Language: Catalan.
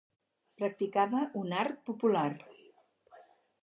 Practicava un art popular.